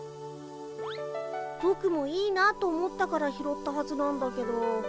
ぼくもいいなと思ったから拾ったはずなんだけど。